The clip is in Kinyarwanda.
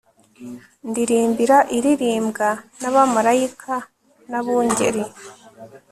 ndirimbira iririmbwa n'abamarayika n'abungeri